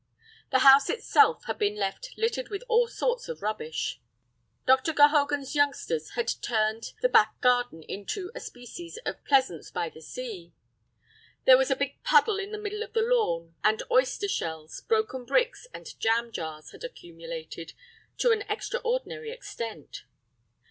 The house itself had been left littered with all sorts of rubbish. Dr. Gehogan's youngsters had turned the back garden into a species of pleasaunce by the sea. There was a big puddle in the middle of the lawn, and oyster shells, broken bricks, and jam jars had accumulated to an extraordinary extent.